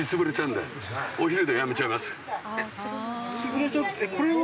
「潰れちゃう」ってこれは？